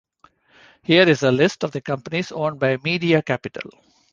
Here is a list of the companies owned by Media Capital.